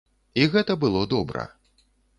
І гэта было добра.